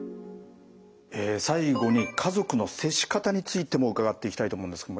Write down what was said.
最後に家族の接し方についても伺っていきたいと思うんですけど